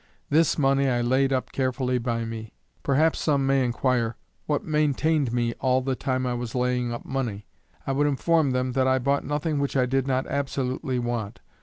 This money I laid up carefully by me. Perhaps some may enquire what maintained me all the time I was laying up money. I would inform them that I bought nothing which I did not absolutely want.